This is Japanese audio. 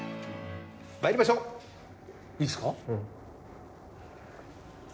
まいりましょういいんですか？